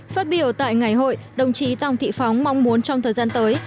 phát biểu tại ngày hội đồng chí tòng thị phóng mong muốn trong thời gian tới